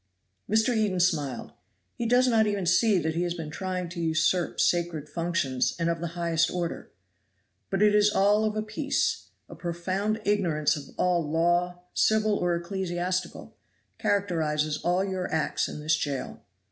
Mr. Eden smiled. "He does not even see that he has been trying to usurp sacred functions and of the highest order. But it is all of a piece a profound ignorance of all law, civil or ecclesiastical, characterizes all your acts in this jail.